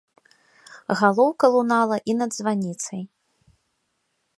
Галоўка лунала і над званіцай.